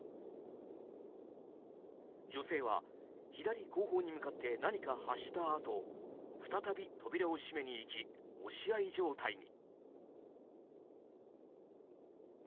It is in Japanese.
女性は左後方に向かって何か発したあと再び扉を閉めにいき押し合い状態に。